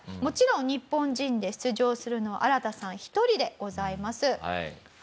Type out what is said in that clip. もちろん日本人で出場するのはアラタさん１人でございます。